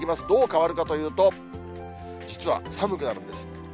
どう変わるかというと、実は寒くなるんです。